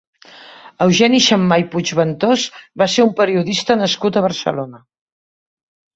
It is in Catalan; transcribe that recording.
Eugeni Xammar i Puigventós va ser un periodista nascut a Barcelona.